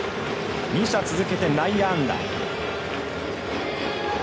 ２者続けて内野安打。